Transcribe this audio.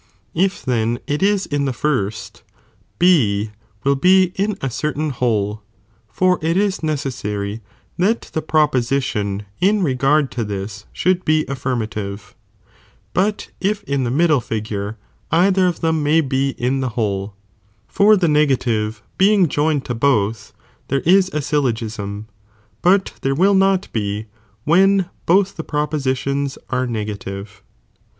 If then it is in the first, B will be in a certain whole, (for it is necessary that the proposition in regard to this should be affirmative,) but if in the middle figure either of them|| may be (in the whole), for the ne^ativeSd negative being joined to both,f there is a syllo figure. gism,* but there will not be when > both the pro * In 2nd figure, p^gitions are negative.